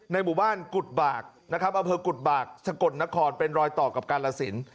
หมู่บ้านกุฎบากนะครับอำเภอกุฎบากสะกดนครเป็นรอยต่อกับกาลสิน